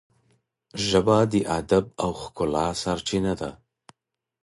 ژبه د ادب او ښکلا سرچینه ده.